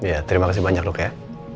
ya terima kasih banyak dok ya